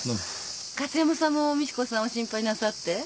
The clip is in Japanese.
加津山さんも美知子さんを心配なさって？